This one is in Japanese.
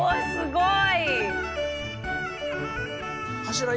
すごい。